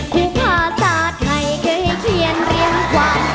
คู่ภาษาไทยคือให้เคียนเรียงความ